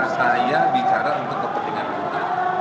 saya bicara untuk kepentingan kita